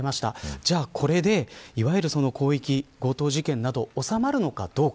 じゃあ、これでいわゆる広域強盗事件などが収まるのかどうか。